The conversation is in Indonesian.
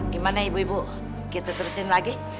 gimana ibu ibu kita terusin lagi